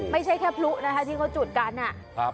ไม่ใช่แค่พลุซี่ที่จุดกันค่ะ